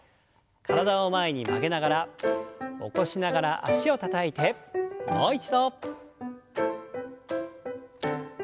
体を前に曲げながら起こしながら脚をたたいてもう一度。